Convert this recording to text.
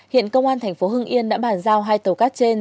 hiện công an thành phố hưng yên đã bàn giao hai tàu cát trên